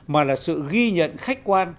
mà là sự ghi nhận khách quan